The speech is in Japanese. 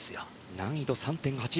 難易度３．８。